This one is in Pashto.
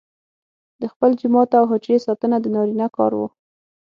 د خپل جومات او حجرې ساتنه د نارینه کار وو.